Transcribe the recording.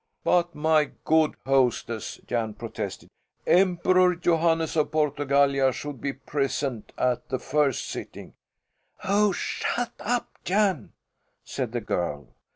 "But my good hostess!" Jan protested, "Emperor Johannes of Portugallia should be present at the first sitting." "Oh, shut up, Jan!" said the girl.